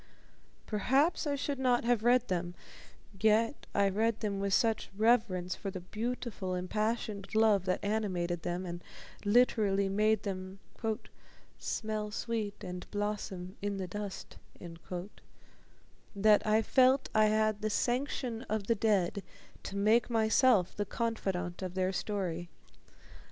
Perhaps I should not have read them yet I read them with such reverence for the beautiful, impassioned love that animated them, and literally made them "smell sweet and blossom in the dust," that I felt I had the sanction of the dead to make myself the confidant of their story.